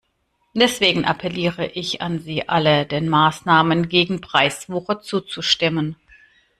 Deswegen appelliere ich an Sie alle, den Maßnahmen gegen Preiswucher zuzustimmen.